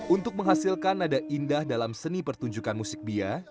untuk menghasilkan nada indah dalam seni pertunjukan musik bia